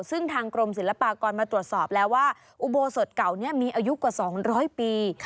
ซึ่งทางกรมศิลปากรมาตรวจสอบแล้วว่าอุโบสถเก่านี้มีอายุกว่า๒๐๐ปี